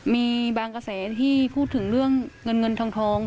มีบางกระแสที่พูดถึงเรื่องเงินเงินทอง